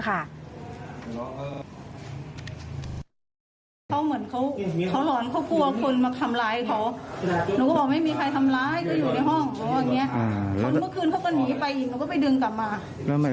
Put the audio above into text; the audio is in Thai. เขาเหมือนเขาเขาหลอนเขากลัวคนมาทำร้ายเขา